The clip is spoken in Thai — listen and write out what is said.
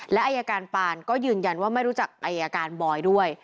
และอายการปานก็ยืนยันว่าไม่รู้จักอายการบอยด้วย